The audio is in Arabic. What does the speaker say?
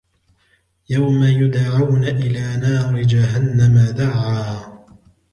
يوم يدعون إلى نار جهنم دعا